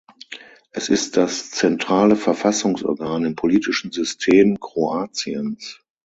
Es ist das zentrale Verfassungsorgan im politischen System Kroatiens.